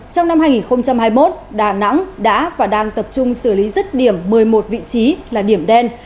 trong năm hai nghìn hai mươi một đà nẵng đã và đang tập trung xử lý rứt điểm một mươi một vị trí là điểm đen